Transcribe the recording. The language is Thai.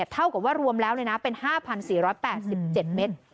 เท่ากับว่ารวมแล้วเป็น๕๔๘๗เมตร